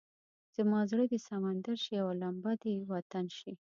زما زړه دې سمندر شي او لمبه دې وطن شي.